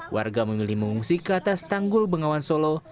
warga memilih mengungsi ke atas tanggul bengawan solo